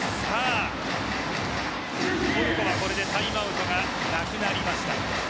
トルコはこれでタイムアウトがなくなりました。